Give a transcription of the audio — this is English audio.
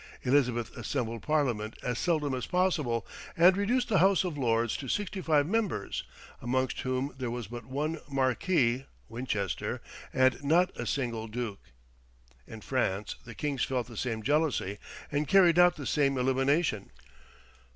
Elizabeth assembled Parliament as seldom as possible, and reduced the House of Lords to sixty five members, amongst whom there was but one marquis (Winchester), and not a single duke. In France the kings felt the same jealousy and carried out the same elimination.